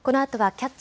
「キャッチ！